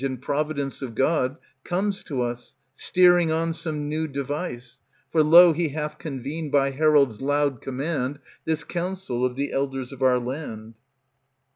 And providence of God, Comes to us, steering on some new device ; For, lo ! he hath convened, By herald's loud command, This council of the elders of our land.